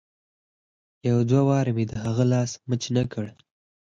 يو دوه وارې مې د هغه لاس مچ نه کړ.